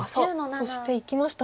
さあそしていきましたね。